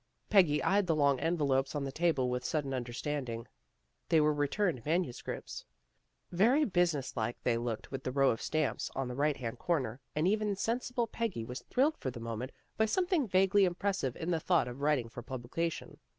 Peggy eyed the long envelopes on the table with sudden understanding. They were re turned manuscripts. Very business like they looked with the row of stamps on the right hand corner, and even sensible Peggy was thrilled for the moment by something vaguely impressive in the thought of writing for pub lication.